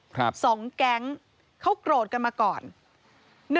๒แก๊งเขากรวดกันมาก่อน